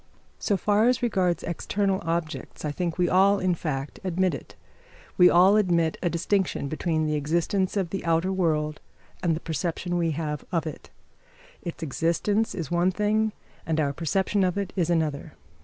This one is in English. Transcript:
So far as regards external objects, I think we all, in fact, admit it. We all admit a distinction, between the existence of the outer world and the perception we have of it; its existence is one thing, and our perception of it is another.